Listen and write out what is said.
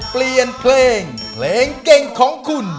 เปลี่ยนเพลงเพลงเก่งของคุณ